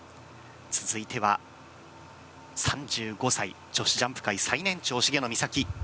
続いては３５歳、女子ジャンプ界最年長茂野美咲。